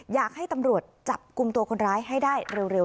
อยากให้ตำรวจจับกลุ่มตัวคนร้ายให้ได้เร็ว